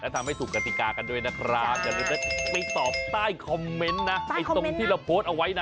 ไปตอบใต้คอมเม้นต์นะตรงที่เราโพสต์เอาไว้นะ